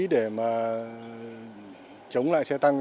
để mà chống lại xe tăng